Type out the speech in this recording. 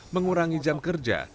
mengurangi jam kerja